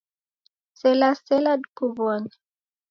Sela sela dikuw'one.